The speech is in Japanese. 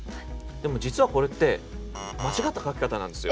でも実はこれって間違った書き方なんですよ。